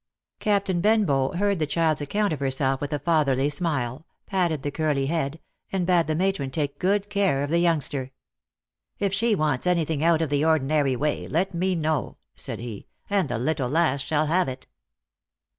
Captain Benbow heard the child's account of herself with a fatherly smile, patted the curly head, and bade the matron take good care of the youngster. " If she wants anything out of the ordinary way, let me know," said he, " and the little lass shall have it."